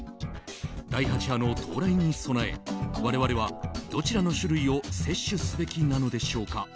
第８波の到来に備え我々はどちらの種類を接種すべきなのでしょうか。